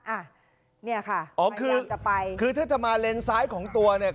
อ่ะเนี่ยค่ะอ๋อคือจะไปคือถ้าจะมาเลนซ้ายของตัวเนี่ย